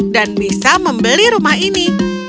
dan bisa membeli rumah ini